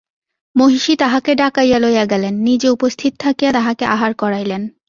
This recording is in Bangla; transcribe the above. মহিষী তাহাকে ডাকাইয়া লইয়া গেলেন, নিজে উপস্থিত থাকিয়া তাহাকে আহার করাইলেন।